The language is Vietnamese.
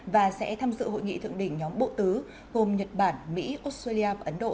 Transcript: và sẽ tham dự hội nghị thượng đỉnh nhóm bộ tứ gồm nhật bản mỹ australia và ấn độ